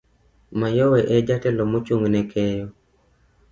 Mayowe e jatelo mochung' ne keyo.